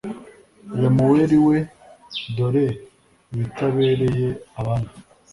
Lemuweli we dore ibitabereye abami